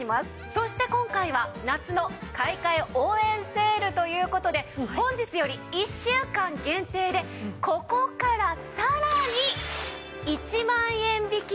そして今回は夏の買い替え応援セールという事で本日より１週間限定でここからさらに１万円引き！